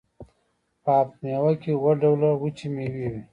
په هفت میوه کې اووه ډوله وچې میوې وي.